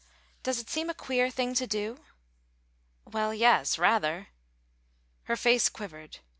"Does it seem a queer thing to do?" "Well, yes, rather." Her face quivered.